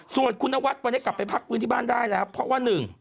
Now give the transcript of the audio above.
ส่วนคุณนวัฒน์วันนี้กลับไปพักดูแลที่บ้านได้แล้วเพราะว่า๑